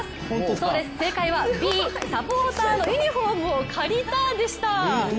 そうです、正解はＢサポーターのユニフォームを借りたでした。